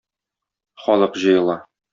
Халык җыела.